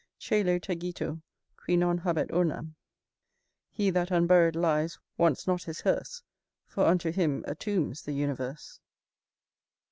"Cœlo tegitur, qui non habet urnam." He that unburied lies wants not his hearse; For unto him a tomb's the universe.